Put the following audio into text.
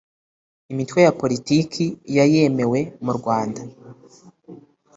imitwe ya politiki ya yemewe mu rwa rwanda